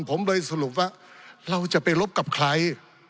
ผมเลยสรุปว่าเราจะไปรบกับใคร